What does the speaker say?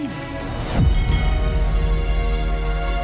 ternyata anaknya kak nailah